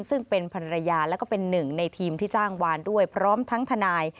ซึ่งเป็นภรรยาแล้วก็เป็นหนึ่งในทีมที่จ้างวานด้วยพร้อมทั้งทนาย